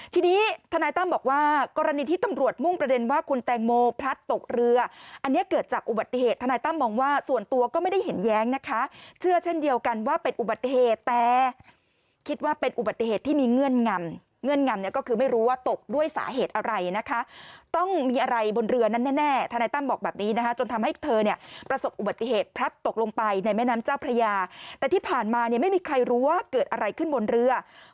ทีนี้ทนายตั้มบอกว่ากรณีที่ตำรวจมุ่งประเด็นว่าคุณแตงโมพลัดตกเรืออันเนี่ยเกิดจากอุบัติเหตุทนายตั้มบอกว่าส่วนตัวก็ไม่ได้เห็นแย้งนะคะเชื่อเช่นเดียวกันว่าเป็นอุบัติเหตุแต่คิดว่าเป็นอุบัติเหตุที่มีเงื่อนงำเงื่อนงำก็คือไม่รู้ว่าตกด้วยสาเหตุอะไรนะคะต้องมีอะไรบนเรือนั้นแน่ทนายตั้มบอกแ